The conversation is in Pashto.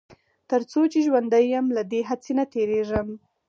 تر څو چې ژوندی يم له دې هڅې نه تېرېږم.